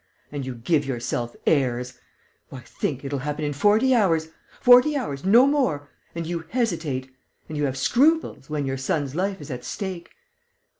And you give yourself airs! Why, think, it'll happen in forty hours! Forty hours, no more, and you hesitate ... and you have scruples, when your son's life is at stake!